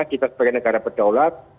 kita sebagai negara berdaulat